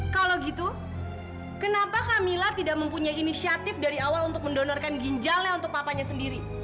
kalau gitu kenapa kak mila tidak mempunyai inisiatif dari awal untuk mendonorkan ginjalnya untuk papanya sendiri